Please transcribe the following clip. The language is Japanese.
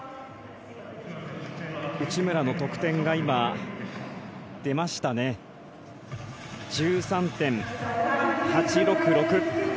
内村の得点が今、出ましたね。１３．８６６。